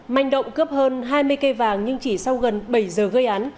manh động cướp hơn hai mươi cây vàng nhưng chỉ sau gần bảy giờ gây án